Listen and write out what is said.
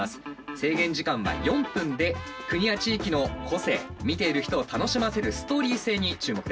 制限時間は４分で国や地域の個性見ている人を楽しませるストーリー性に注目です。